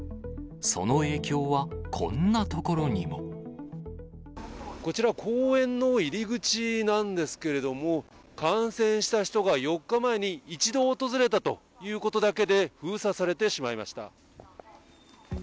その影響はこんな所にも。こちらは公園の入り口なんですけれども、感染した人が４日前に一度訪れたということだけで、封鎖されてしまいました。